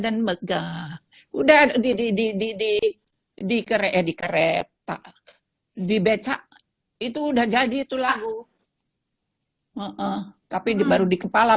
dan megah udah di di di di di kerep di kerep tak di becak itu udah jadi itu lagu tapi baru di kepala